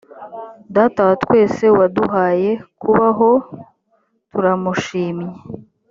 data wa twese waduhaye kubaho turamushimye